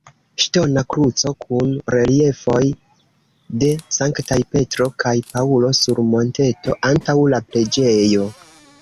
Ŝtona kruco kun reliefoj de Sanktaj Petro kaj Paŭlo sur monteto antaŭ la preĝejo.